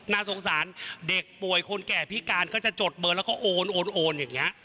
น่าสงสารเด็กป่วยคนแก่พิการก็จะจดเบอร์แล้วก็โอนโอนอย่างนี้